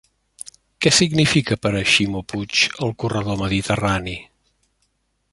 Què significa per a Ximo Puig el corredor mediterrani?